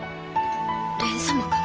蓮様から？